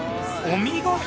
お見事！